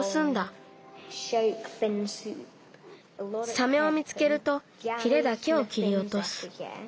サメを見つけるとヒレだけをきりおとす。